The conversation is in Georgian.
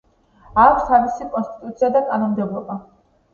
აქვს თავისი კონსტიტუცია და კანონმდებლობა.